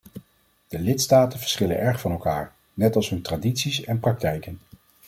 De lidstaten verschillen erg van elkaar, net als hun tradities en praktijken.